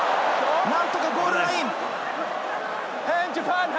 何とかゴールライン。